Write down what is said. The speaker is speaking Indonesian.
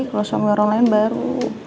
kalau suami orang lain baru